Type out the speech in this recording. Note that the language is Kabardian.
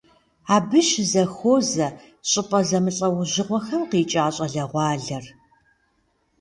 Абы щызэхуозэ щӏыпӏэ зэмылӏэужьыгъуэхэм къикӏа щӏалэгъуалэр.